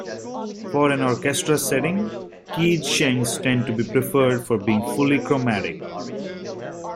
For an orchestra setting, keyed shengs tend to be preferred for being fully chromatic.